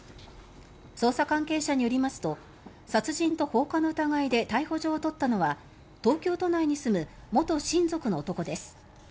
捜査関係者によりますと殺人と放火の疑いで逮捕状を取ったのは東京都内に住む元親族の男です。